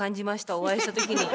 お会いしたときに。